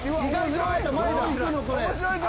面白いぞ。